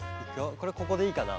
これここでいいかな。